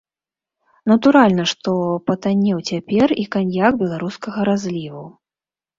Натуральна, што патаннеў цяпер і каньяк беларускага разліву.